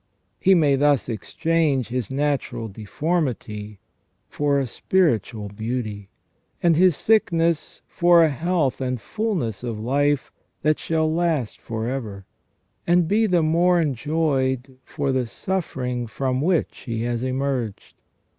He may thus exchange his natural deformity for a spiritual beauty, and his sickness for a health and fulness of life, that shall last for ever, and be the more enjoyed for the suffering from which he has emerged.